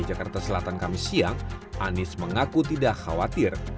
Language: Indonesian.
di jakarta selatan kami siang anies mengaku tidak khawatir